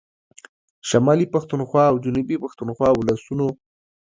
شمالي پښتونخوا او جنوبي پښتونخوا ولسونو